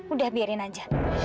udah biarin aja